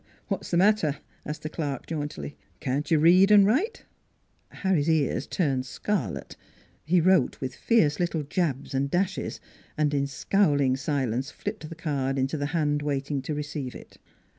"What's matter?" asked the clerk jauntily; " can't you read an' write? " Harry's ears turned scarlet; he wrote with fierce little jabs and dashes, and in scowling si lence flipped the card into the hand waiting to receive it.